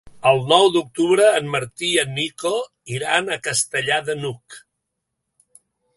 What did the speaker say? El nou d'octubre en Martí i en Nico iran a Castellar de n'Hug.